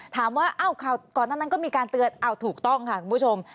ถามว่าก่อนหน้านั้นก็มีการเตือนเอาถูกต้องค่ะคุณผู้ชม